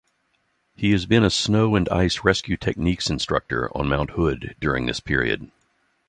He has been a snow-and-ice rescue techniques instructor on Mount Hood during this period.